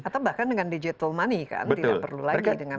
atau bahkan dengan digital money kan tidak perlu lagi dengan